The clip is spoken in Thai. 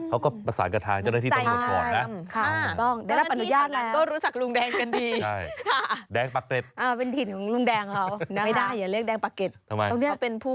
เขาก็อุปกรณ์ปราสาทกระทางเจ้าและที่ตรงบนกว่อน